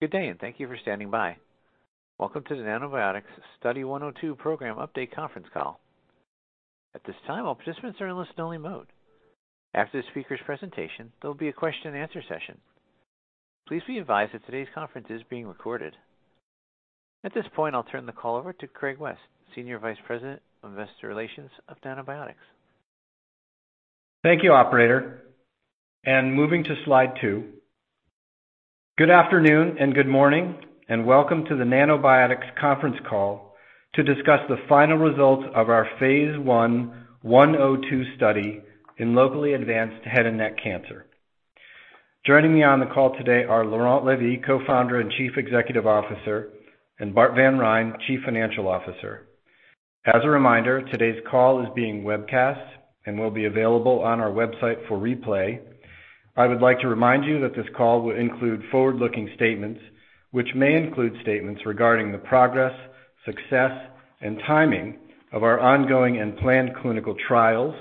Good day, and thank you for standing by. Welcome to the Nanobiotix Study 102 Program Update conference call. At this time, all participants are in listen-only mode. After the speaker's presentation, there'll be a question and answer session. Please be advised that today's conference is being recorded. At this point, I'll turn the call over to Craig West, Senior Vice President of Investor Relations of Nanobiotix. Thank you, operator, moving to slide two. Good afternoon and good morning, and welcome to the Nanobiotix conference call to discuss the final results of our phase I 102 study in locally advanced head and neck cancer. Joining me on the call today are Laurent Levy, Co-founder and Chief Executive Officer, and Bart Van Rhijn, Chief Financial Officer. As a reminder, today's call is being webcast and will be available on our website for replay. I would like to remind you that this call will include forward-looking statements, which may include statements regarding the progress, success, and timing of our ongoing and planned clinical trials,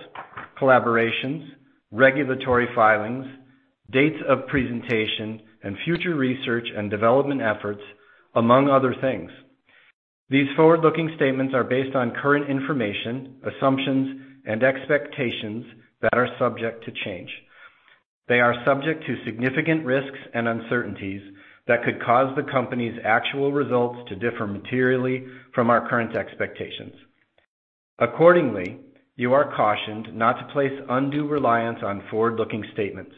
collaborations, regulatory filings, dates of presentation, and future research and development efforts, among other things. These forward-looking statements are based on current information, assumptions, and expectations that are subject to change. They are subject to significant risks and uncertainties that could cause the company's actual results to differ materially from our current expectations. Accordingly, you are cautioned not to place undue reliance on forward-looking statements.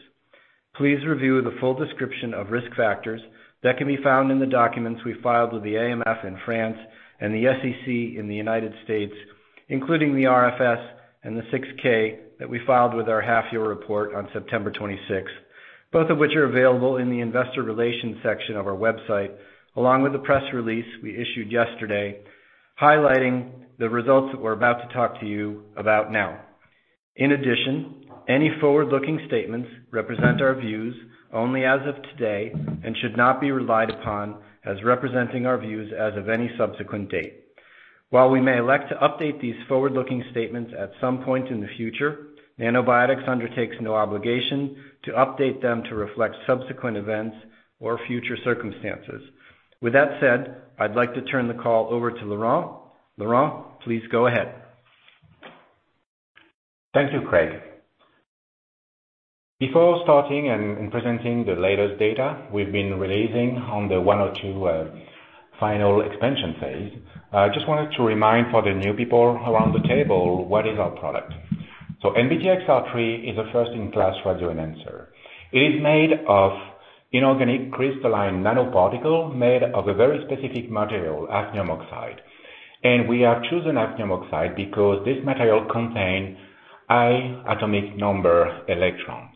Please review the full description of risk factors that can be found in the documents we filed with the AMF in France and the SEC in the United States, including the RFS and the 6-K that we filed with our half-year report on September 26th, both of which are available in the investor relations section of our website, along with the press release we issued yesterday, highlighting the results that we're about to talk to you about now. In addition, any forward-looking statements represent our views only as of today and should not be relied upon as representing our views as of any subsequent date. While we may elect to update these forward-looking statements at some point in the future, Nanobiotix undertakes no obligation to update them to reflect subsequent events or future circumstances. With that said, I'd like to turn the call over to Laurent. Laurent, please go ahead. Thank you, Craig. Before starting and presenting the latest data we've been releasing on the 102 final expansion phase, I just wanted to remind for the new people around the table, what is our product? So NBTXR3 is a first-in-class radioenhancer. It is made of inorganic crystalline nanoparticle, made of a very specific material, hafnium oxide. And we have chosen hafnium oxide because this material contain high atomic number electron,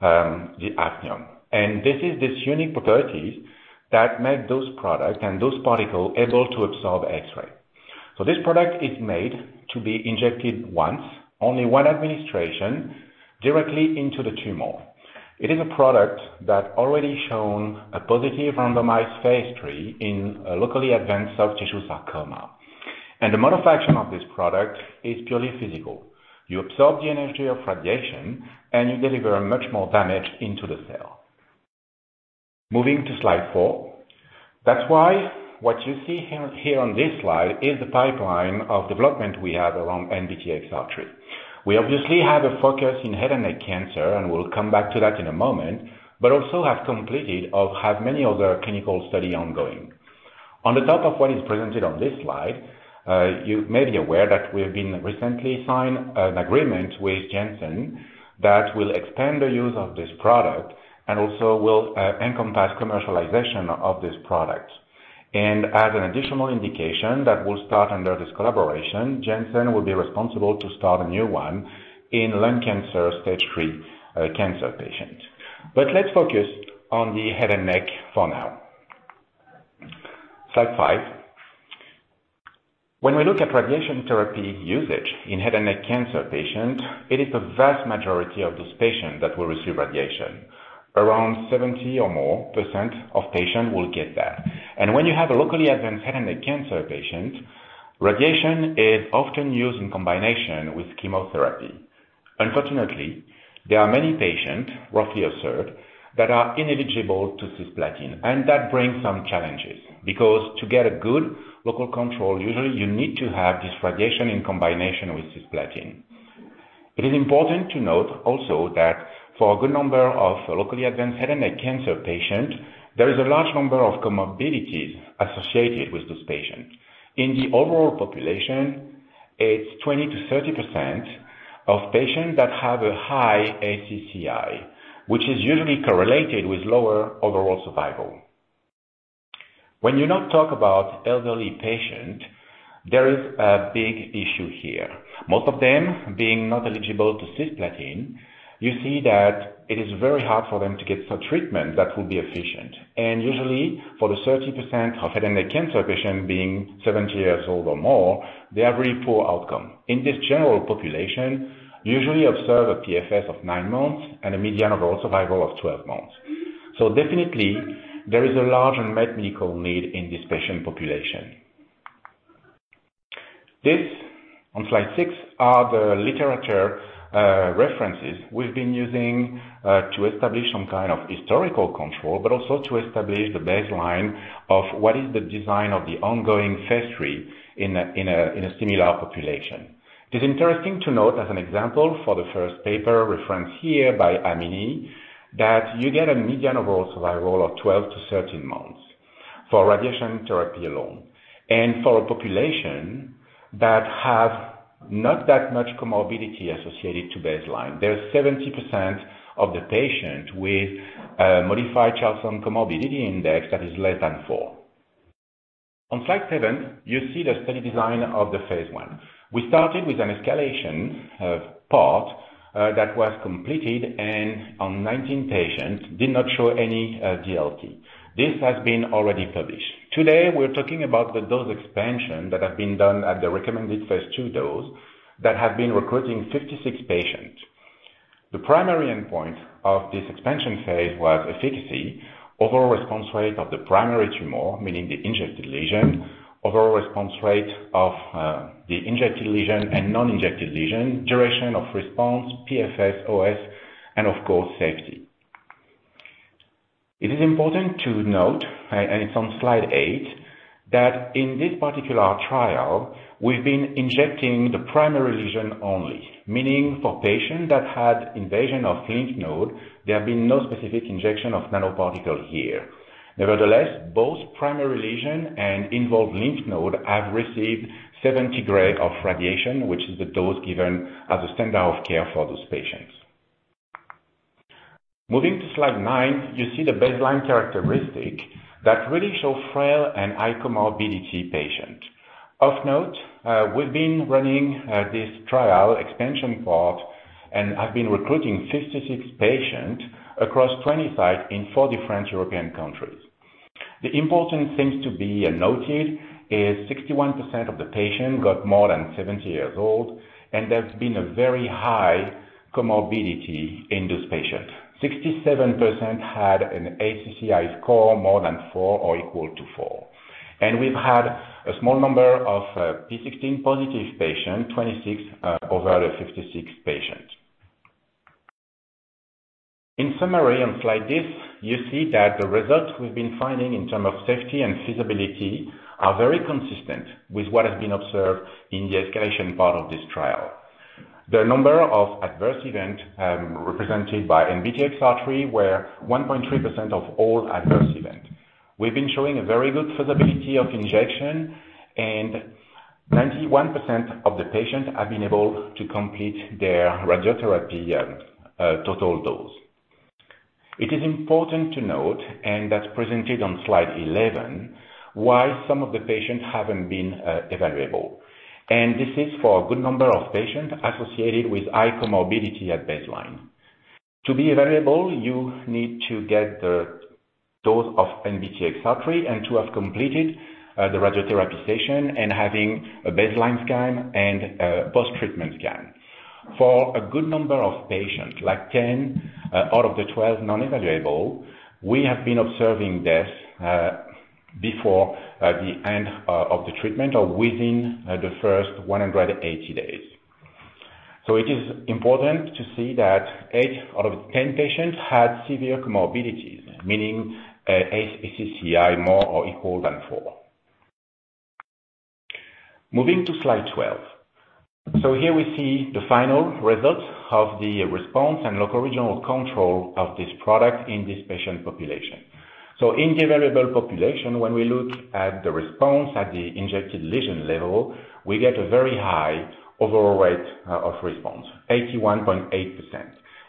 the hafnium, and this is this unique properties that make those products and those particles able to absorb X-ray. So this product is made to be injected once, only one administration, directly into the tumor. It is a product that already shown a positive randomized phase III in a locally advanced soft tissue sarcoma, and the modification of this product is purely physical. You absorb the energy of radiation, and you deliver much more damage into the cell. Moving to slide four. That's why what you see here on this slide is the pipeline of development we have around NBTXR3. We obviously have a focus in head and neck cancer, and we'll come back to that in a moment, but also have completed or have many other clinical study ongoing. On the top of what is presented on this slide, you may be aware that we have been recently signed an agreement with Janssen that will extend the use of this product and also will encompass commercialization of this product. As an additional indication that will start under this collaboration, Janssen will be responsible to start a new one in lung cancer stage III cancer patient. Let's focus on the head and neck for now. Slide five. When we look at radiation therapy usage in head and neck cancer patients, it is the vast majority of those patients that will receive radiation. Around 70% or more of patients will get that. And when you have a locally advanced head and neck cancer patient, radiation is often used in combination with chemotherapy. Unfortunately, there are many patients, roughly observed, that are ineligible to cisplatin, and that brings some challenges, because to get a good local control, usually you need to have this radiation in combination with cisplatin. It is important to note also that for a good number of locally advanced head and neck cancer patients, there is a large number of comorbidities associated with those patients. In the overall population, it's 20%-30% of patients that have a high ACCI, which is usually correlated with lower overall survival. When you now talk about elderly patient, there is a big issue here, most of them being not eligible to cisplatin, you see that it is very hard for them to get a treatment that will be efficient. Usually for the 30% of head and neck cancer patients being 70 years old or more, they have very poor outcome. In this general population, usually observe a PFS of nine months and a median overall survival of 12 months. Definitely, there is a large unmet medical need in this patient population. This, on slide six, are the literature references we've been using to establish some kind of historical control, but also to establish the baseline of what is the design of the ongoing phase III in a similar population. It is interesting to note, as an example, for the first paper referenced here by Amini, that you get a median overall survival of 12-13 months for radiation therapy alone. For a population that have not that much comorbidity associated to baseline, there's 70% of the patient with modified Charlson Comorbidity Index that is less than four. On slide seven, you see the study design of the phase I. We started with an escalation part that was completed and on 19 patients did not show any DLT. This has been already published. Today, we're talking about the dose expansion that have been done at the recommended phase II dose, that have been recruiting 56 patients. The primary endpoint of this expansion phase was efficacy, overall response rate of the primary tumor, meaning the injected lesion, overall response rate of the injected lesion and non-injected lesion, duration of response, PFS, OS, and of course, safety. It is important to note, and it's on slide eight, that in this particular trial, we've been injecting the primary lesion only. Meaning for patients that had invasion of lymph node, there have been no specific injection of nanoparticle here. Nevertheless, both primary lesion and involved lymph node have received 70 gray of radiation, which is the dose given as a standard of care for those patients. Moving to slide nine, you see the baseline characteristic that really show frail and high comorbidity patient. Of note, we've been running this trial expansion part, and have been recruiting 56 patients across 20 sites in four different European countries. The important things to be noted is 61% of the patients got more than 70 years old, and there's been a very high comorbidity in those patients. 67% had an ACCI score more than four or equal to four. We've had a small number of p16 positive patients, 26 over the 56 patients. In summary, on this slide, you see that the results we've been finding in terms of safety and feasibility are very consistent with what has been observed in the escalation part of this trial. The number of adverse events represented by NBTXR3 were 1.3% of all adverse events. We've been showing a very good feasibility of injection, and 91% of the patients have been able to complete their radiotherapy total dose. It is important to note, and that's presented on slide 11, why some of the patients haven't been evaluable. This is for a good number of patients associated with high comorbidity at baseline. To be evaluable, you need to get the dose of NBTXR3, and to have completed the radiotherapy session, and having a baseline scan and a post-treatment scan. For a good number of patients, like 10 out of the 12 non-evaluable, we have been observing this before the end of the treatment or within the first 180 days. It is important to see that eight out of 10 patients had severe comorbidities, meaning ACCI more or equal than four. Moving to slide 12. Here we see the final results of the response and locoregional control of this product in this patient population. So in the variable population, when we look at the response at the injected lesion level, we get a very high overall rate of response, 81.8%,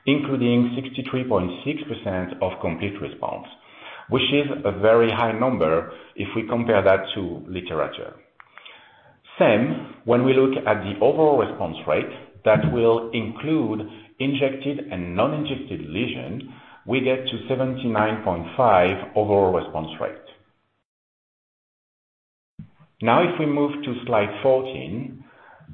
including 63.6% of complete response, which is a very high number if we compare that to literature. Same when we look at the overall response rate, that will include injected and non-injected lesion, we get to 79.5 overall response rate. Now, if we move to slide 14,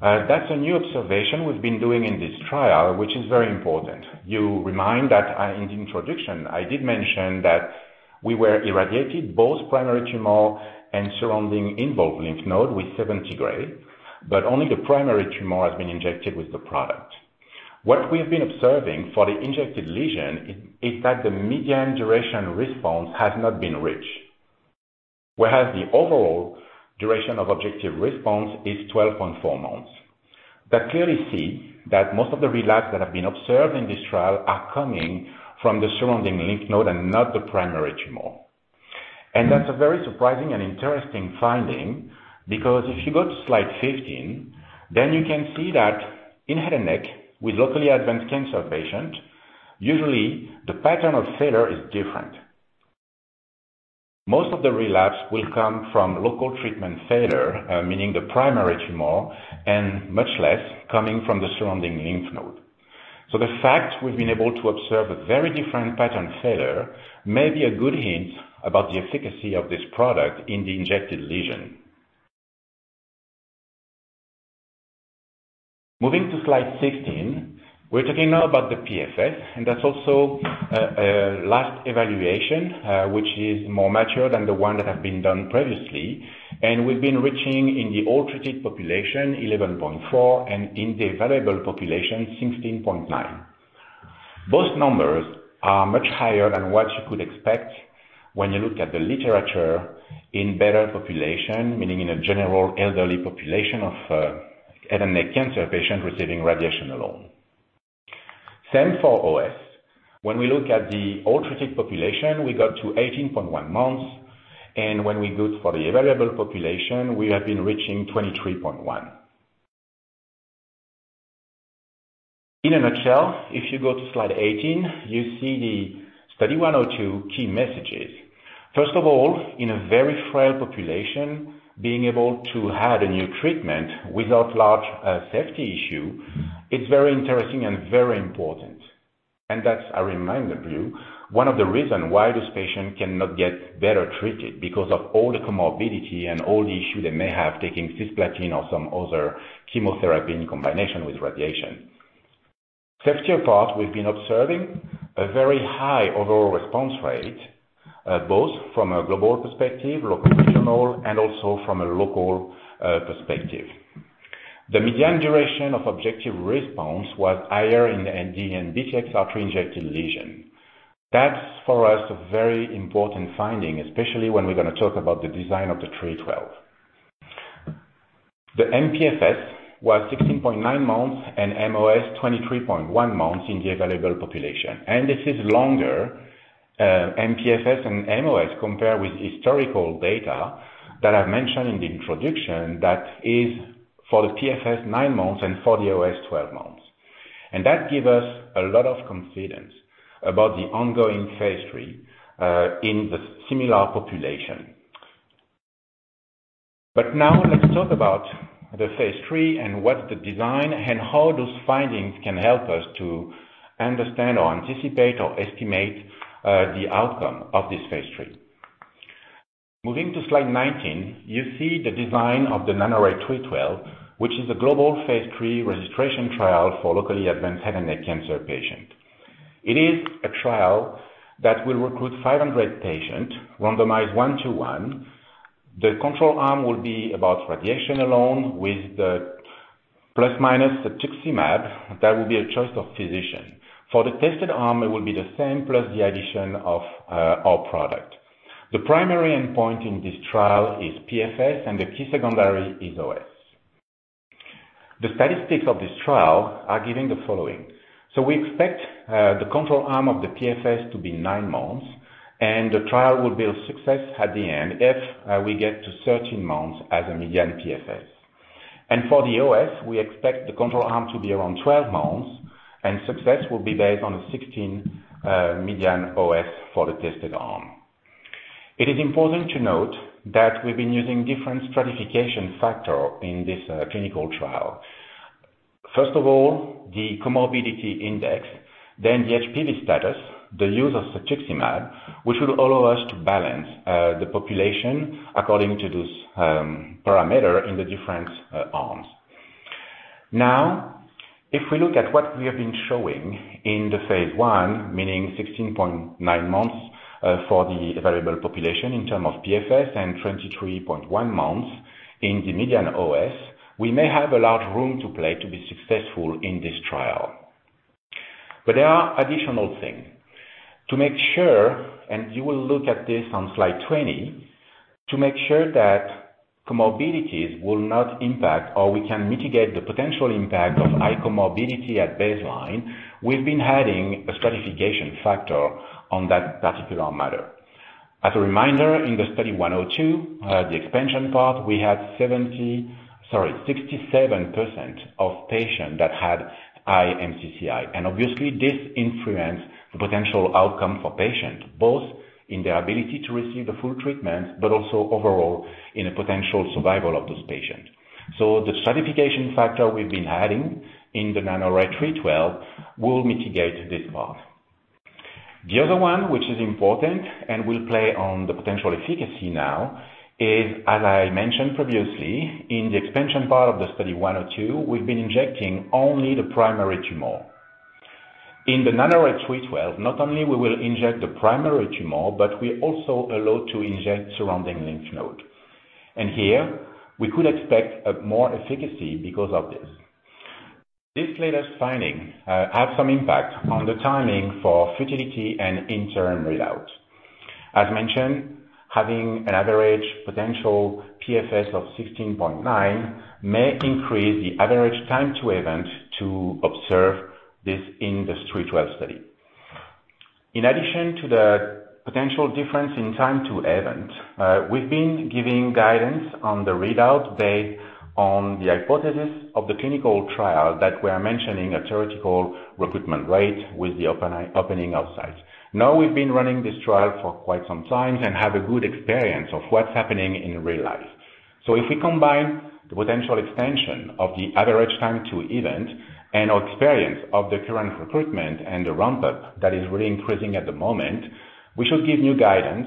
that's a new observation we've been doing in this trial, which is very important. You remind that, in the introduction, I did mention that we were irradiated both primary tumor and surrounding involved lymph node with 70 gray, but only the primary tumor has been injected with the product. What we've been observing for the injected lesion is that the median duration response has not been reached. Whereas the overall duration of objective response is 12.4 months. That clearly see that most of the relapse that have been observed in this trial are coming from the surrounding lymph node and not the primary tumor. And that's a very surprising and interesting finding, because if you go to slide 15, then you can see that in head and neck, with locally advanced cancer patient, usually the pattern of failure is different. Most of the relapse will come from local treatment failure, meaning the primary tumor, and much less coming from the surrounding lymph node. So the fact we've been able to observe a very different pattern of failure, may be a good hint about the efficacy of this product in the injected lesion.... Moving to slide 16, we're talking now about the PFS, and that's also a last evaluation, which is more mature than the one that have been done previously. And we've been reaching in the all treated population, 11.4, and in the evaluable population, 16.9. Both numbers are much higher than what you could expect when you look at the literature in better population, meaning in a general elderly population of head and neck cancer patient receiving radiation alone. Same for OS. When we look at the all treated population, we got to 18.1 months, and when we look for the evaluable population, we have been reaching 23.1. In a nutshell, if you go to slide 18, you see the Study 102 key messages. First of all, in a very frail population, being able to add a new treatment without large safety issue is very interesting and very important. That's, I remind you, one of the reason why this patient cannot get better treated because of all the comorbidity and all the issue they may have taking cisplatin or some other chemotherapy in combination with radiation. Safety apart, we've been observing a very high overall response rate, both from a global perspective, locoregional, and also from a local perspective. The median duration of objective response was higher in the [MD Anderson Cancer Center] injected lesion. That's, for us, a very important finding, especially when we're gonna talk about the design of the 312. The mPFS was 16.9 months, and mOS, 23.1 months in the available population. This is longer, mPFS and mOS compared with historical data that I've mentioned in the introduction, that is for the PFS, nine months, and for the OS, 12 months. That gives us a lot of confidence about the ongoing phase III in the similar population. Now let's talk about the phase III and what's the design, and how those findings can help us to understand or anticipate or estimate the outcome of this phase III. Moving to slide 19, you see the design of the NANORAY-312, which is a global phase III registration trial for locally advanced head and neck cancer patient. It is a trial that will recruit 500 patient, randomized 1 to 1. The control arm will be about radiation alone, with the plus minus cetuximab. That will be a choice of physician. For the tested arm, it will be the same, plus the addition of, our product. The primary endpoint in this trial is PFS, and the key secondary is OS. The statistics of this trial are giving the following: So we expect, the control arm of the PFS to be 9 nine months, and the trial will be a success at the end if, we get to 13 months as a median PFS. And for the OS, we expect the control arm to be around 12 months, and success will be based on a 16, median OS for the tested arm. It is important to note that we've been using different stratification factor in this, clinical trial. First of all, the comorbidity index, then the HPV status, the use of cetuximab, which will allow us to balance, the population according to this, parameter in the different, arms. Now, if we look at what we have been showing in the phase I, meaning 16.9 months, for the evaluable population in terms of PFS, and 23.1 months in the median OS, we may have a large room to play to be successful in this trial. But there are additional thing. To make sure, and you will look at this on slide 20, to make sure that comorbidities will not impact, or we can mitigate the potential impact of high comorbidity at baseline, we've been adding a stratification factor on that particular matter. As a reminder, in Study 102, the expansion part, we had 67% of patients that had high ACCI. And obviously, this influence the potential outcome for patients, both in their ability to receive the full treatment, but also overall in a potential survival of those patients. So the stratification factor we've been adding in the NANORAY-312 will mitigate this part. The other one, which is important and will play on the potential efficacy now, is, as I mentioned previously, in the expansion part of Study 102, we've been injecting only the primary tumor. In the NANORAY-312, not only we will inject the primary tumor, but we also allow to inject surrounding lymph node. And here we could expect a more efficacy because of this. This latest finding have some impact on the timing for futility and interim readout. As mentioned, having an average potential PFS of 16.9 may increase the average time to event to observe this in the 312 study. In addition to the potential difference in time to event, we've been giving guidance on the readout based on the hypothesis of the clinical trial that we are mentioning, a theoretical recruitment rate with the opening of sites. Now, we've been running this trial for quite some time and have a good experience of what's happening in real life. So if we combine the potential extension of the average time to event and our experience of the current recruitment and the ramp-up, that is really increasing at the moment, we should give new guidance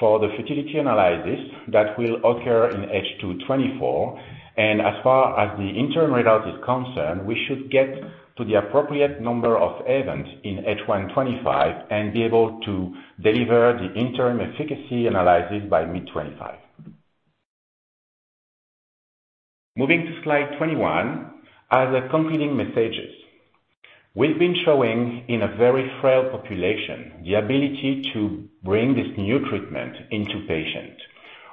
for the futility analysis that will occur in H2 2024. As far as the interim result is concerned, we should get to the appropriate number of events in H1 2025 and be able to deliver the interim efficacy analysis by mid-2025. Moving to slide 21, as concluding messages. We've been showing in a very frail population, the ability to bring this new treatment into patients.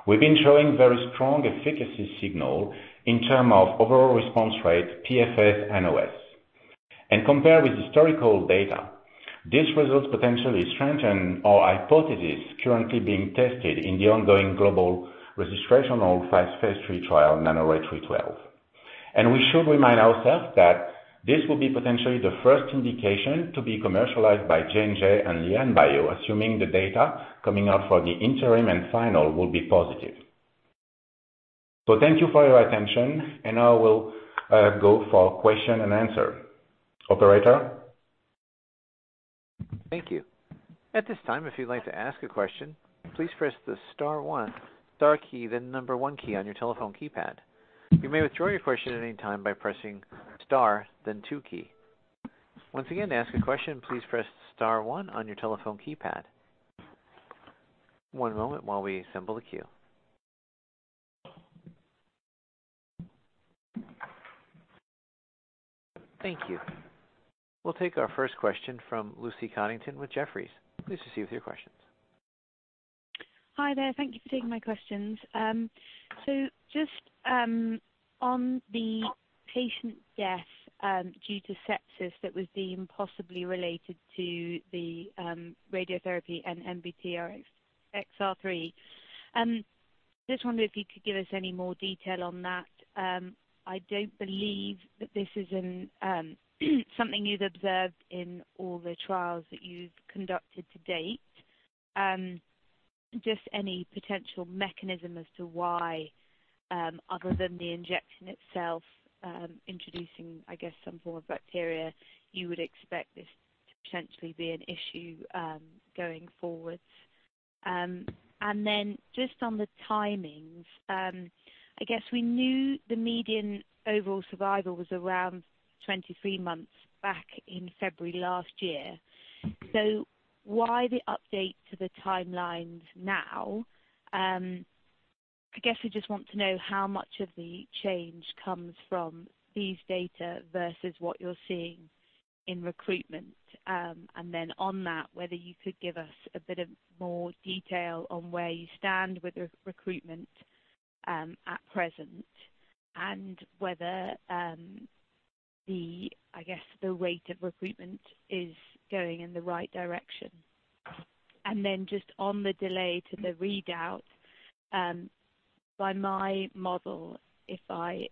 We've been showing very strong efficacy signal in terms of overall response rate, PFS, and OS. Compared with historical data, these results potentially strengthen our hypothesis currently being tested in the ongoing global registrational phase III trial, NANORAY-312. We should remind ourselves that this will be potentially the first indication to be commercialized by J&J and LianBio, assuming the data coming out for the interim and final will be positive. So thank you for your attention, and now we'll go for question and answer. Operator? Thank you. At this time, if you'd like to ask a question, please press the star one, star key, then number one key on your telephone keypad. You may withdraw your question at any time by pressing star, then two key. Once again, to ask a question, please press star one on your telephone keypad. One moment while we assemble the queue. Thank you. We'll take our first question from Lucy Codrington with Jefferies. Please proceed with your questions. Hi there. Thank you for taking my questions. Just on the patient death due to sepsis that was being possibly related to the radiotherapy and NBTXR3. Just wondering if you could give us any more detail on that. I don't believe that this is something you've observed in all the trials that you've conducted to date. Just any potential mechanism as to why, other than the injection itself introducing, I guess, some form of bacteria, you would expect this to potentially be an issue going forward. Just on the timings, I guess we knew the median overall survival was around 23 months back in February last year. Why the update to the timelines now? I guess we just want to know how much of the change comes from these data versus what you're seeing in recruitment. And then on that, whether you could give us a bit of more detail on where you stand with the recruitment at present, and whether the rate of recruitment is going in the right direction. And then just on the delay to the readout, by my model, if I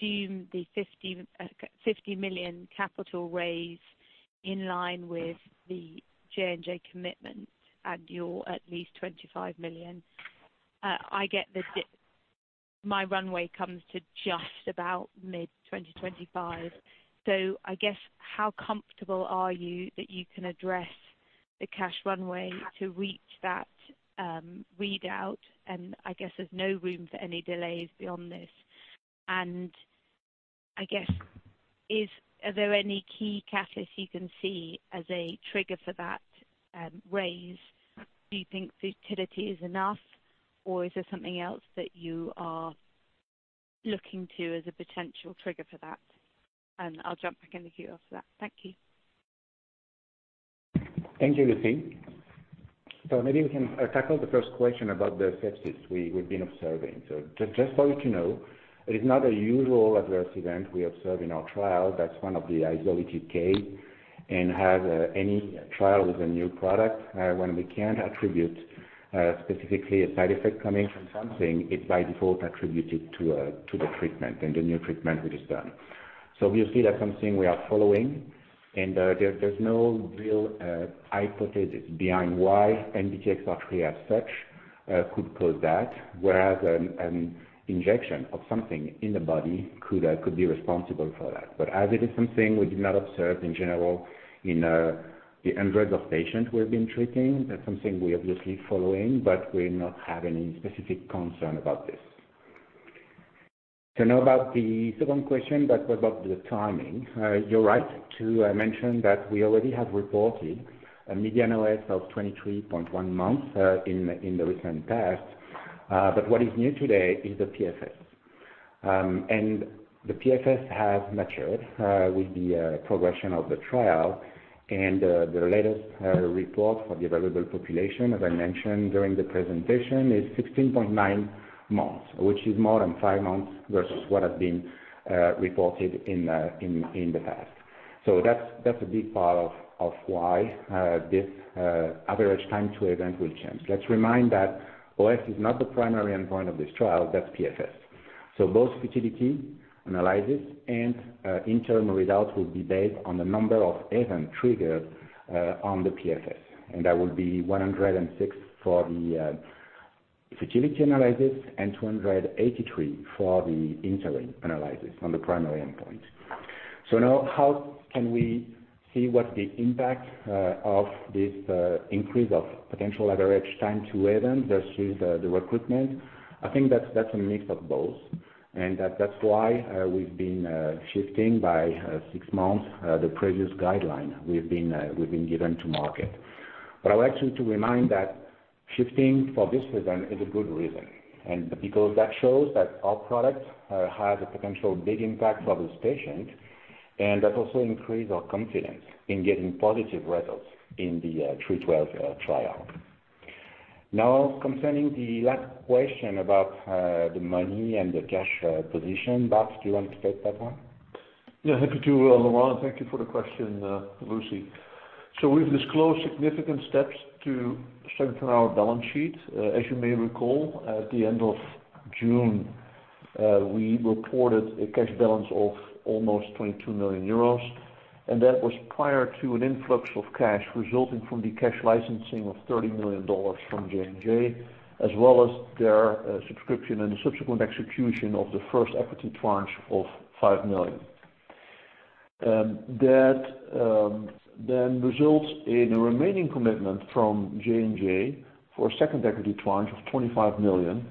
assume the $50 million capital raise in line with the J&J commitment and your at least $25 million, I get my runway comes to just about mid-2025. So I guess, how comfortable are you that you can address the cash runway to reach that readout? And I guess there's no room for any delays beyond this. I guess, are there any key catalysts you can see as a trigger for that, raise? Do you think futility is enough, or is there something else that you are looking to as a potential trigger for that? And I'll jump back in the queue after that. Thank you. Thank you, Lucy. So maybe we can tackle the first question about the sepsis we've been observing. So just for you to know, it is not a usual adverse event we observe in our trial. That's one of the isolated case, and as any trial with a new product, when we can't attribute specifically a side effect coming from something, it's by default attributed to the treatment and the new treatment which is done. So obviously, that's something we are following, and there's no real hypothesis behind why NBTXR3 as such could cause that, whereas an injection of something in the body could be responsible for that. But as it is something we do not observe in general in the hundreds of patients we've been treating, that's something we're obviously following, but we do not have any specific concern about this. So now about the second question, that's about the timing. You're right to mention that we already have reported a median OS of 23.1 months in the recent past. But what is new today is the PFS. And the PFS has matured with the progression of the trial, and the latest report for the available population, as I mentioned during the presentation, is 16.9 months, which is more than five months versus what has been reported in the past. So that's a big part of why this average time to event will change. Let's remind that OS is not the primary endpoint of this trial, that's PFS. So both futility analysis and interim results will be based on the number of event triggered on the PFS, and that will be 106 for the futility analysis and 283 for the interim analysis on the primary endpoint. So now how can we see what the impact of this increase of potential average time to event versus the recruitment? I think that's a mix of both, and that's why we've been shifting by six months the previous guideline we've been given to market. But I would like to remind that shifting for this reason is a good reason, and because that shows that our product has a potential big impact for those patients, and that also increase our confidence in getting positive results in the 312 trial. Now, concerning the last question about the money and the cash position, Bas, do you want to take that one? Yeah, happy to, Laurent. Thank you for the question, Lucy. So we've disclosed significant steps to strengthen our balance sheet. As you may recall, at the end of June, we reported a cash balance of almost 22 million euros, and that was prior to an influx of cash resulting from the cash licensing of $30 million from J&J, as well as their subscription and subsequent execution of the first equity tranche of $5 million. That then results in a remaining commitment from J&J for a second equity tranche of $25 million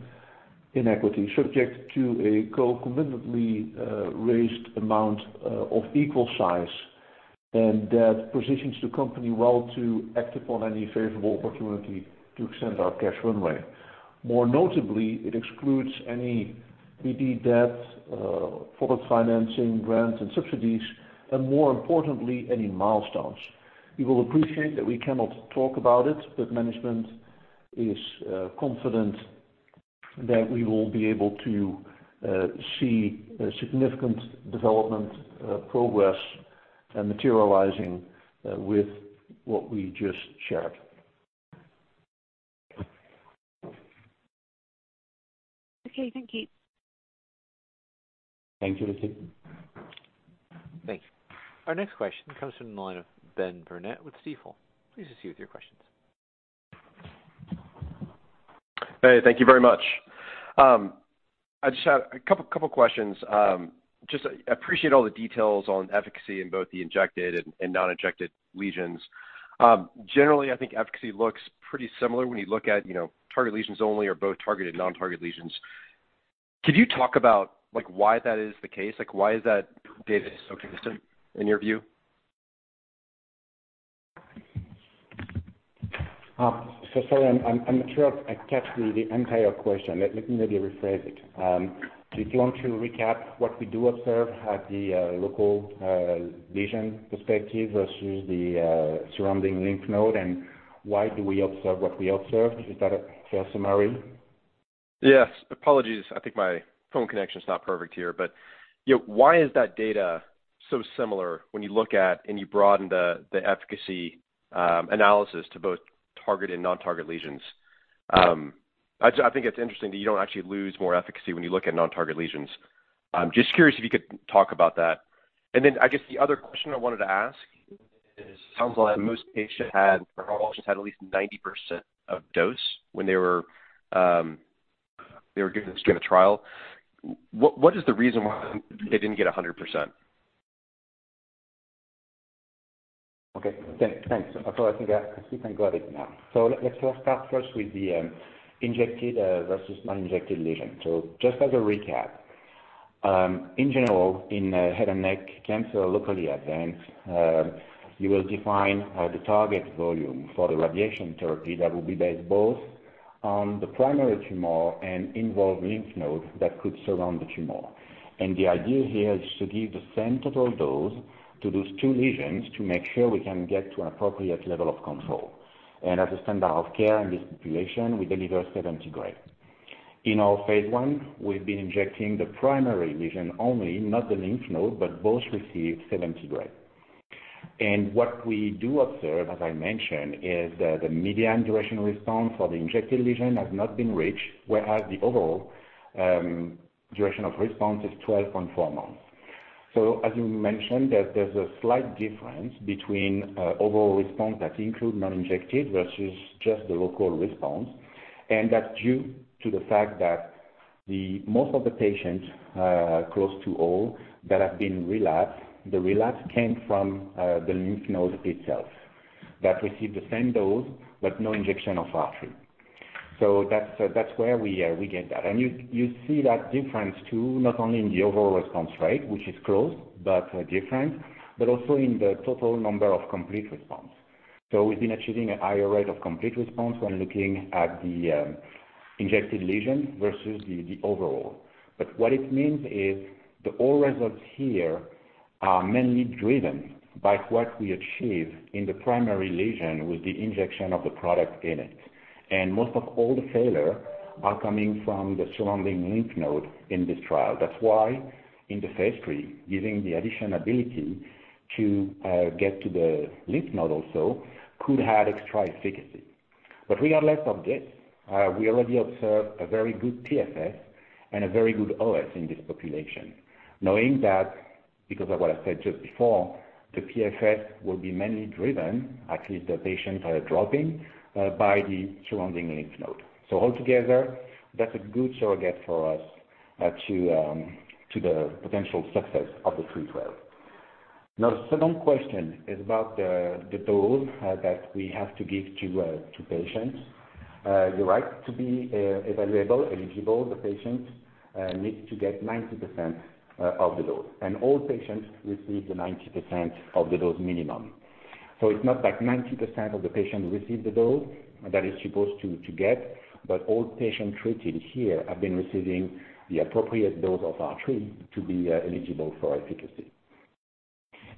in equity, subject to a concomitantly raised amount of equal size, and that positions the company well to act upon any favorable opportunity to extend our cash runway. More notably, it excludes any PGE debt, product financing, grants and subsidies, and more importantly, any milestones. You will appreciate that we cannot talk about it, but management is confident that we will be able to see a significant development progress materializing with what we just shared. Okay. Thank you. Thank you, Lucy. Thanks. Our next question comes from the line of Ben Burnett with Stifel. Please proceed with your questions. Hey, thank you very much. I just had a couple questions. Just appreciate all the details on efficacy in both the injected and non-injected lesions. Generally, I think efficacy looks pretty similar when you look at, you know, target lesions only or both targeted non-target lesions. Could you talk about, like, why that is the case? Like, why is that data so consistent in your view? So sorry, I'm not sure I caught the entire question. Let me maybe rephrase it. Do you want to recap what we do observe at the local lesion perspective versus the surrounding lymph node, and why do we observe what we observe? Is that a fair summary? Yes. Apologies. I think my phone connection's not perfect here. Yeah, why is that data so similar when you look at and you broaden the efficacy analysis to both target and non-target lesions? I just—I think it's interesting that you don't actually lose more efficacy when you look at non-target lesions. I'm just curious if you could talk about that. I guess the other question I wanted to ask is, sounds like most patients had, or all patients had at least 90% of dose when they were given to get in the trial. What is the reason why they didn't get 100%? Okay. Thanks. I think I got it now. Let's start first with the injected versus non-injected lesion. Just as a recap, in general, in head and neck cancer, locally advanced, you will define the target volume for the radiation therapy that will be based both on the primary tumor and involved lymph nodes that could surround the tumor. The idea here is to give the same total dose to those two lesions to make sure we can get to an appropriate level of control. As a standard of care in this population, we deliver 70 gray. In our phase I, we've been injecting the primary lesion only, not the lymph node, but both receive 70 gray. What we do observe, as I mentioned, is that the median duration response for the injected lesion has not been reached, whereas the overall duration of response is 12.4 months. So as you mentioned, there's a slight difference between overall response that include non-injected versus just the local response, and that's due to the fact that most of the patients, close to all, that have been relapsed, the relapse came from the lymph node itself, that received the same dose, but no injection of R3. So that's where we get that. And you see that difference too, not only in the overall response rate, which is close but different, but also in the total number of complete response. So we've been achieving a higher rate of complete response when looking at the injected lesion versus the overall. But what it means is the all results here are mainly driven by what we achieve in the primary lesion with the injection of the product in it. And most of all the failure are coming from the surrounding lymph node in this trial. That's why in the phase III, using the additional ability to get to the lymph node also could have extra efficacy. But regardless of this, we already observed a very good PFS and a very good OS in this population. Knowing that because of what I said just before, the PFS will be mainly driven, at least the patients are dropping, by the surrounding lymph node. So altogether, that's a good surrogate for us to the potential success of the 312. Now, the second question is about the dose that we have to give to patients. You're right, to be evaluable, eligible, the patient needs to get 90% of the dose, and all patients receive the 90% of the dose minimum. So it's not like 90% of the patients receive the dose that is supposed to get, but all patients treated here have been receiving the appropriate dose of R3 to be eligible for efficacy.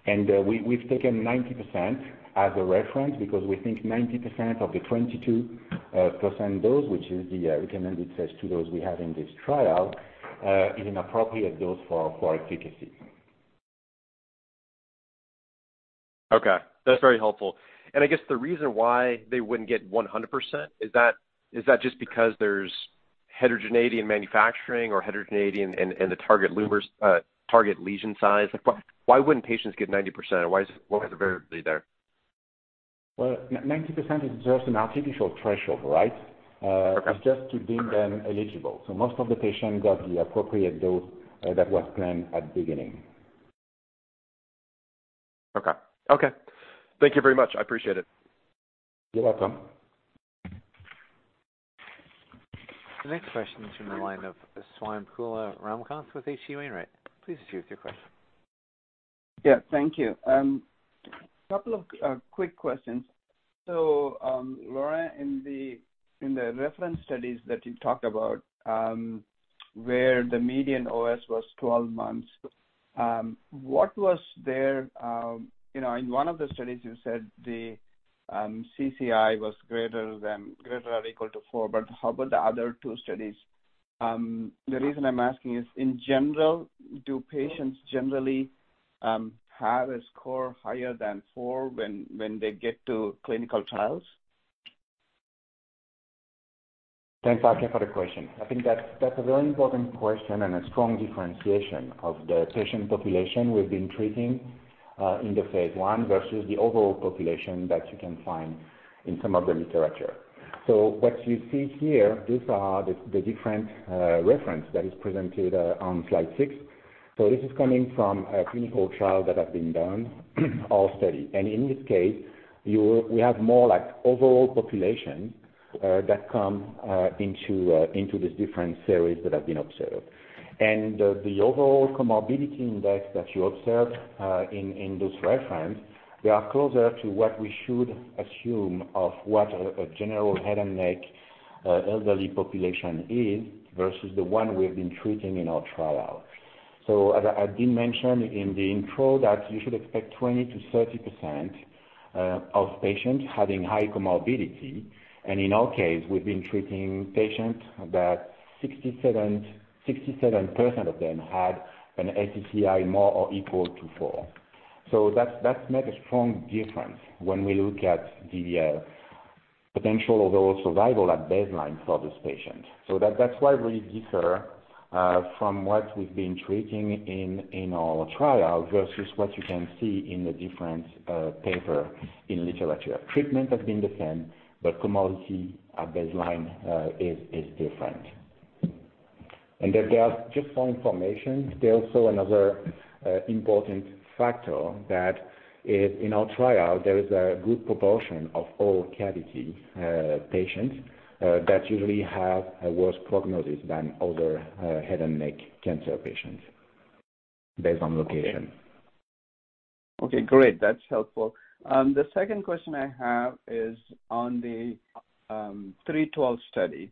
And we've taken 90% as a reference because we think 90% of the 22% dose, which is the recommended phase II dose we have in this trial, is an appropriate dose for efficacy. Okay. That's very helpful. And I guess the reason why they wouldn't get 100%, is that, is that just because there's heterogeneity in manufacturing or heterogeneity in the target tumors - target lesion size? Like, why, why wouldn't patients get 90%, and why is it, what was the variability there? Well, 90% is just an artificial threshold, right? Okay. It's just to be then eligible. So most of the patients got the appropriate dose that was planned at the beginning. Okay. Okay. Thank you very much. I appreciate it. You're welcome. The next question is from the line of Swayampakula Ramakanth with H.C. Wainwright. Please state your question. Yeah, thank you. Couple of quick questions. So, Laurent, in the reference studies that you talked about, where the median OS was 12 months, what was their... You know, in one of the studies you said the CCI was greater than, greater than or equal to four, but how about the other two studies? The reason I'm asking is, in general, do patients generally have a score higher than four when they get to clinical trials? Thanks, Swami, for the question. I think that's a very important question and a strong differentiation of the patient population we've been treating in the phase I versus the overall population that you can find in some of the literature. What you see here, these are the different reference that is presented on slide six. This is coming from a clinical trial that have been done, or study. In this case, we have more like overall population that come into these different series that have been observed. The overall comorbidity index that you observe in those reference, they are closer to what we should assume of what a general head and neck elderly population is versus the one we have been treating in our trial. As I did mention in the intro, you should expect 20%-30% of patients having high comorbidity, and in our case, we've been treating patients that 67%, 67% of them had an ACCI more or equal to four. That makes a strong difference when we look at the potential overall survival at baseline for this patient. That's why we differ from what we've been treating in our trial versus what you can see in the different papers in literature. Treatment has been the same, but comorbidity at baseline is different. Just for information, there's also another important factor that is in our trial. There is a good proportion of oral cavity patients that usually have a worse prognosis than other head and neck cancer patients based on location. Okay, great. That's helpful. The second question I have is on the three twelve study.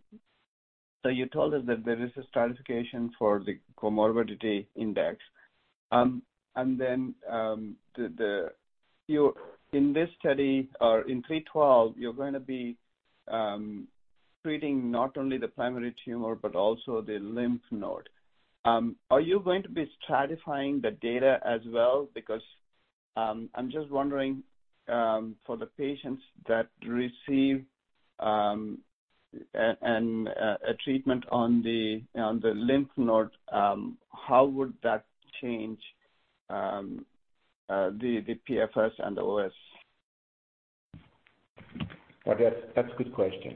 You told us that there is a stratification for the comorbidity index. In this study, or in three twelve, you're going to be treating not only the primary tumor but also the lymph node. Are you going to be stratifying the data as well? Because I'm just wondering, for the patients that receive a treatment on the lymph node, how would that change the PFS and the OS? Okay, that's a good question.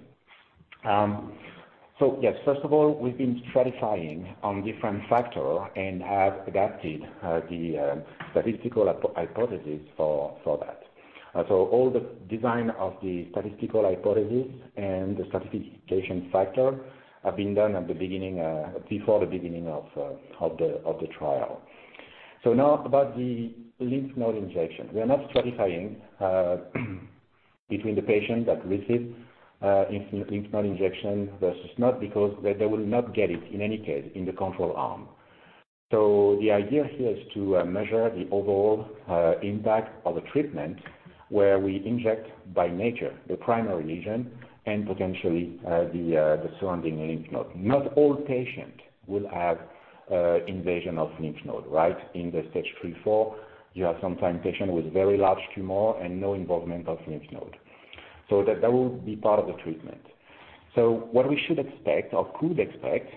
Yes, first of all, we've been stratifying on different factor and have adapted the statistical hypothesis for that. All the design of the statistical hypothesis and the stratification factor have been done at the beginning, before the beginning of the trial. Now about the lymph node injection. We are not stratifying between the patient that received lymph node injection versus not, because they will not get it in any case in the control arm. The idea here is to measure the overall impact of the treatment, where we inject by nature, the primary lesion, and potentially the surrounding lymph node. Not all patient will have invasion of lymph node, right? In the stage three, four, you have sometimes patient with very large tumor and no involvement of lymph node.... So that, that will be part of the treatment. So what we should expect or could expect,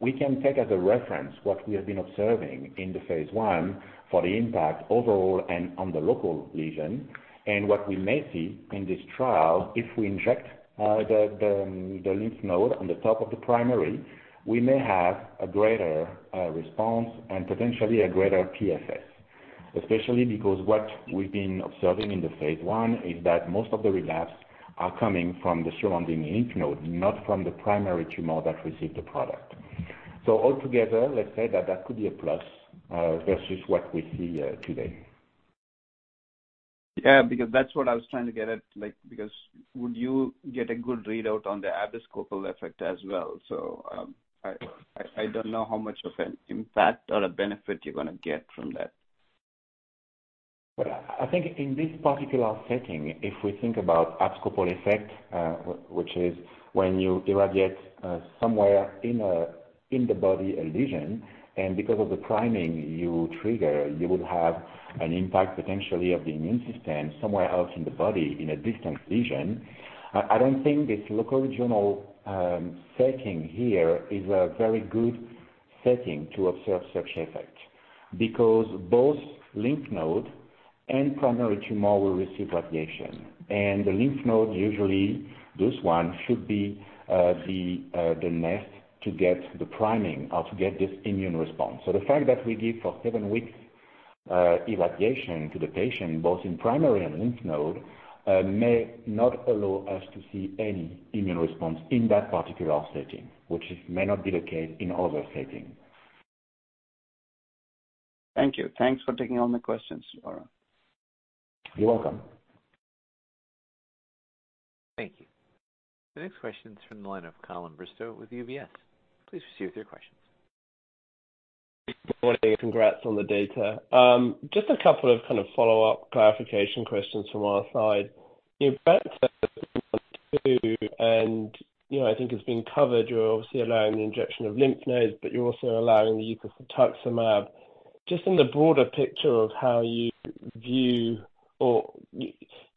we can take as a reference what we have been observing in the phase I for the impact overall and on the local lesion. And what we may see in this trial, if we inject, the lymph node on the top of the primary, we may have a greater response and potentially a greater PFS. Especially because what we've been observing in the phase I is that most of the relapse are coming from the surrounding lymph node, not from the primary tumor that received the product. So altogether, let's say that that could be a plus, versus what we see today. Yeah, because that's what I was trying to get at, like, because would you get a good readout on the abscopal effect as well? So, I don't know how much of an impact or a benefit you're gonna get from that. Well, I think in this particular setting, if we think about abscopal effect, which is when you irradiate somewhere in the body, a lesion, and because of the priming you trigger, you will have an impact potentially of the immune system somewhere else in the body in a distant lesion. I don't think this locoregional setting here is a very good setting to observe such effect. Because both lymph node and primary tumor will receive radiation, and the lymph node, usually, this one should be the nest to get the priming or to get this immune response. The fact that we give for seven weeks irradiation to the patient, both in primary and lymph node, may not allow us to see any immune response in that particular setting, which may not be the case in other setting. Thank you. Thanks for taking all my questions, Laurent. You're welcome. Thank you. The next question is from the line of Colin Bristow with UBS. Please proceed with your questions. Good morning, and congrats on the data. Just a couple of kind of follow-up clarification questions from our side. And, you know, I think it's been covered, you're obviously allowing the injection of lymph nodes, but you're also allowing the use of cetuximab. Just in the broader picture of how you view or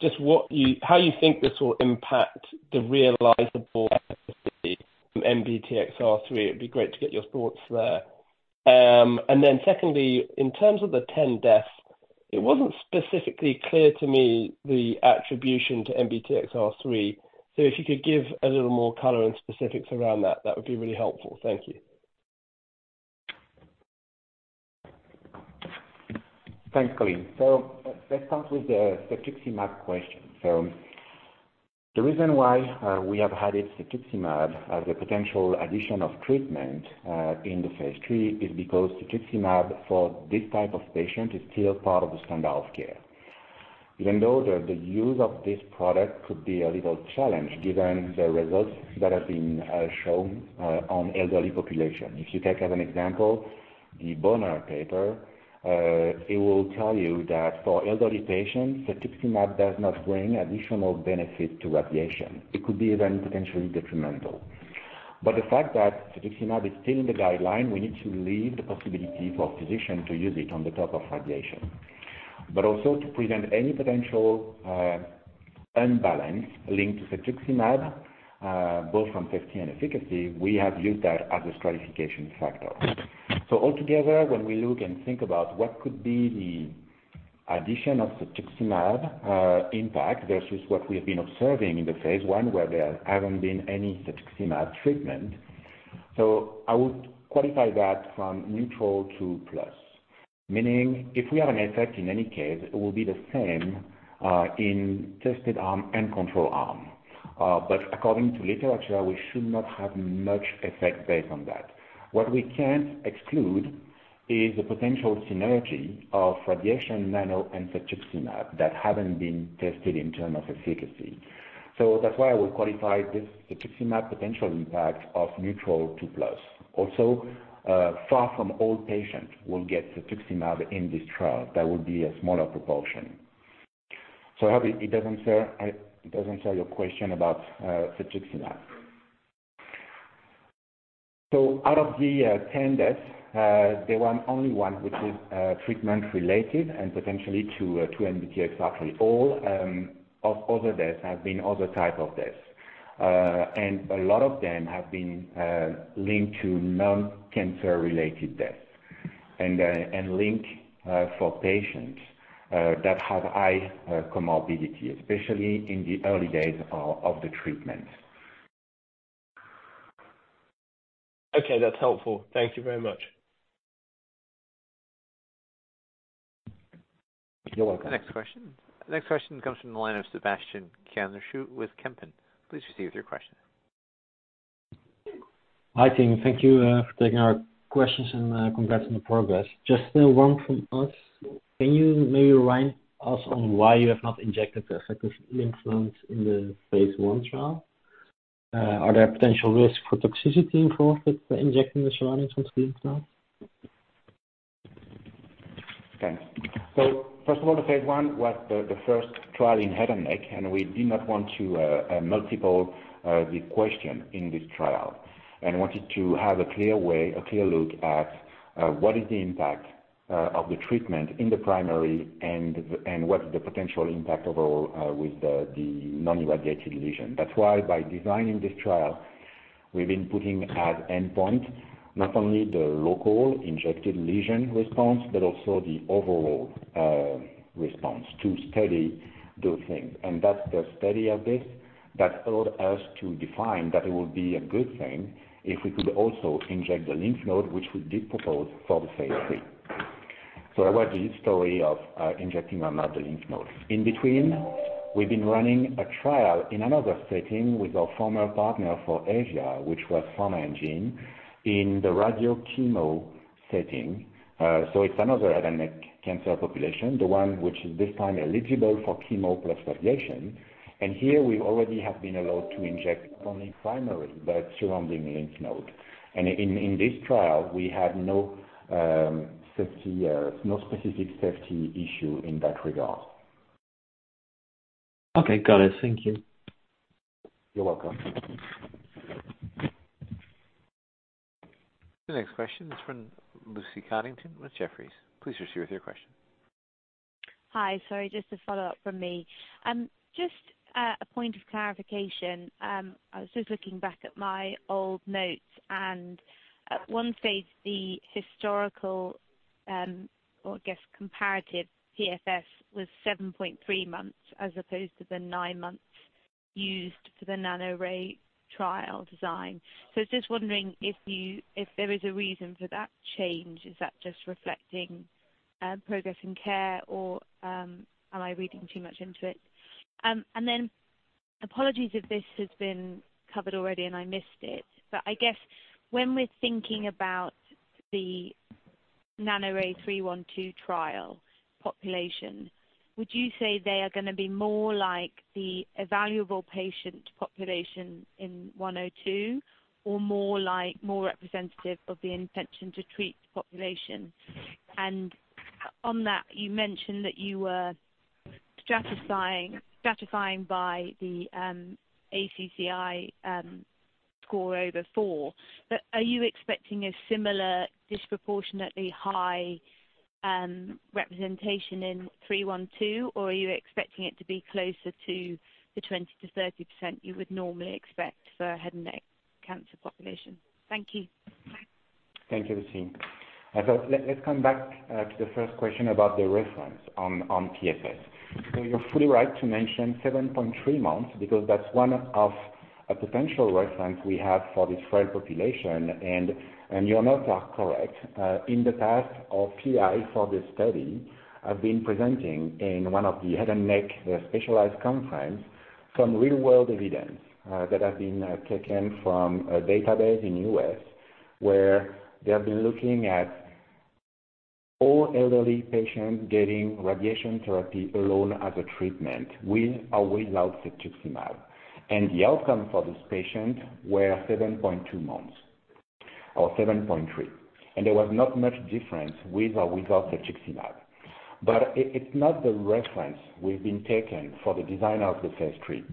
just what you... How you think this will impact the realizable from NBTXR3, it'd be great to get your thoughts there. And then secondly, in terms of the 10 deaths, it wasn't specifically clear to me the attribution to NBTXR3. So if you could give a little more color and specifics around that, that would be really helpful. Thank you. Thanks, Colin. Let's start with the cetuximab question. The reason why we have added cetuximab as a potential addition of treatment in the phase III is because cetuximab, for this type of patient, is still part of the standard of care. Even though the use of this product could be a little challenged, given the results that have been shown on elderly population. If you take as an example, the Bonner paper, it will tell you that for elderly patients, cetuximab does not bring additional benefit to radiation. It could be even potentially detrimental. The fact that cetuximab is still in the guideline, we need to leave the possibility for physician to use it on the top of radiation. But also to prevent any potential imbalance linked to cetuximab, both from safety and efficacy, we have used that as a stratification factor. So altogether, when we look and think about what could be the addition of cetuximab impact versus what we have been observing in the phase I, where there haven't been any cetuximab treatment. So I would qualify that from neutral to plus, meaning if we have an effect, in any case, it will be the same in tested arm and control arm. But according to literature, we should not have much effect based on that. What we can't exclude is the potential synergy of radiation nano and cetuximab that haven't been tested in terms of efficacy. So that's why I would qualify this cetuximab potential impact of neutral to plus. Also, far from all patients will get cetuximab in this trial. That would be a smaller proportion. I hope it doesn't answer your question about cetuximab. Out of the 10 deaths, there was only one which is treatment related and potentially to NBTXR3. All of the other deaths have been other type of deaths, and a lot of them have been linked to non-cancer related deaths, and linked for patients that have high comorbidity, especially in the early days of the treatment. Okay, that's helpful. Thank you very much. You're welcome. Next question. The next question comes from the line of Sebastiaan van der Schoot with Kempen. Please proceed with your question. Hi, team. Thank you for taking our questions, and congrats on the progress. Just one from us. Can you maybe remind us on why you have not injected the effective lymph nodes in the phase I trial? Are there potential risks for toxicity involved with injecting the surrounding tissues now? Okay. First of all, the phase I was the first trial in head and neck, and we did not want to multiply the question in this trial, and wanted to have a clear way, a clear look at what is the impact of the treatment in the primary and what's the potential impact of all with the non-irradiated lesion. That's why by designing this trial, we've been putting as endpoint not only the local injected lesion response, but also the overall response to study those things. That's the study of this that allowed us to define that it would be a good thing if we could also inject the lymph node, which we did propose for the phase III. That was the history of injecting or not the lymph nodes. In between, we've been running a trial in another setting with our former partner for Asia, which was PharmaEngine, in the radio chemo setting. So it's another head and neck cancer population, the one which is this time eligible for chemo plus radiation. And here, we already have been allowed to inject only primary, but surrounding lymph node. And in this trial, we had no safety, no specific safety issue in that regard. Okay, got it. Thank you. You're welcome. The next question is from Lucy Codrington with Jefferies. Please proceed with your question. Hi, sorry, just a follow-up from me. Just a point of clarification. I was just looking back at my old notes, and at one stage, the historical, or I guess comparative PFS was seven point three months, as opposed to the nine months used for the NANORAY-312 trial design. I was just wondering if you—if there is a reason for that change, is that just reflecting progress in care, or am I reading too much into it? Apologies if this has been covered already, and I missed it. I guess when we're thinking about the NANORAY-312 trial population, would you say they are gonna be more like the evaluable patient population in 102, or more like more representative of the intention to treat population? On that, you mentioned that you were stratifying by the ACCI score over four. But are you expecting a similar disproportionately high representation in 312, or are you expecting it to be closer to the 20%-30% you would normally expect for a head and neck cancer population? Thank you. Thank you, Lucy. So let's come back to the first question about the reference on PFS. So you're fully right to mention seven point three months, because that's one of a potential reference we have for this trial population, and your notes are correct. In the past, our PI for this study have been presenting in one of the head and neck, the specialized conference, some real-world evidence that have been taken from a database in U.S., where they have been looking at all elderly patients getting radiation therapy alone as a treatment, with or without Cetuximab. And the outcome for this patient were seven point two months, or seven point three, and there was not much difference with or without cetuximab. But it's not the reference we've been taking for the design of the phase III.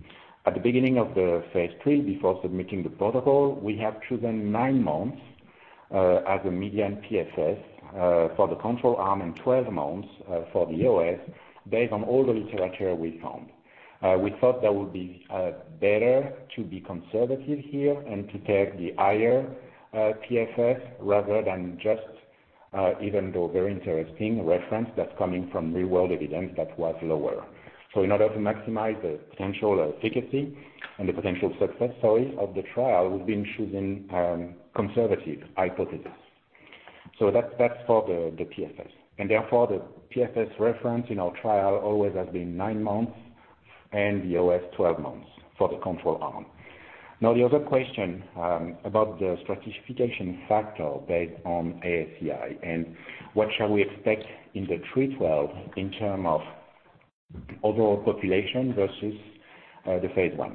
At the beginning of the phase III, before submitting the protocol, we have chosen nine months as a median PFS for the control arm, and 12 months for the OS, based on all the literature we found. We thought that would be better to be conservative here and to take the higher PFS rather than just even though very interesting reference that's coming from real-world evidence that was lower. So in order to maximize the potential efficacy and the potential success, sorry, of the trial, we've been choosing conservative hypothesis. So that's for the PFS. And therefore, the PFS reference in our trial always has been nine months, and the OS, 12 months for the control arm. Now, the other question about the stratification factor based on ACCI, and what shall we expect in the phase III trial in terms of overall population versus the phase I?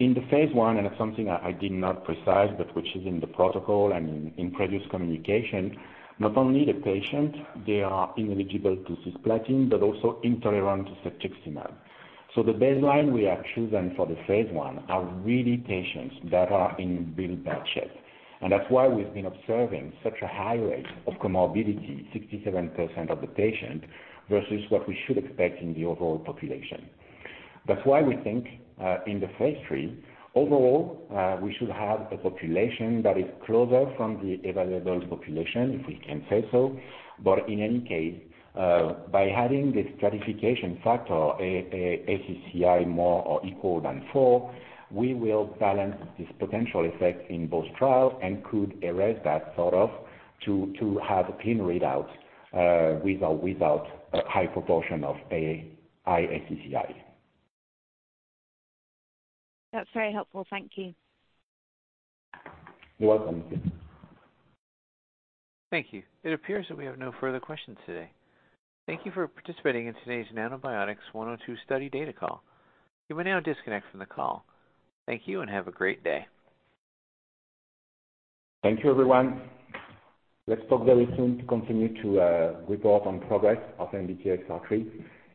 In the phase I, and it's something I did not precise, but which is in the protocol and in previous communication, not only the patient, they are ineligible to cisplatin, but also intolerant to cetuximab. So the baseline we have chosen for the phase I are really patients that are in very bad shape, and that's why we've been observing such a high rate of comorbidity, 67% of the patient, versus what we should expect in the overall population. That's why we think in the phase III, overall, we should have a population that is closer from the available population, if we can say so. In any case, by having this stratification factor, ACCI more or equal than four, we will balance this potential effect in both trials and could erase that sort of to have clean readouts, with or without a high proportion of ACCI. That's very helpful. Thank you. You're welcome. Thank you. It appears that we have no further questions today. Thank you for participating in today's Nanobiotix 102 study data call. You may now disconnect from the call. Thank you and have a great day. Thank you, everyone. Let's talk very soon to continue to report on progress of NBTXR3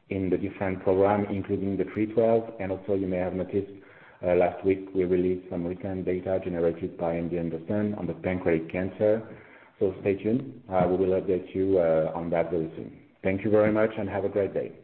in the different program, including the three trials. And also, you may have noticed last week, we released some recent data generated by MD Anderson on the pancreatic cancer. So stay tuned. We will update you on that very soon. Thank you very much and have a great day.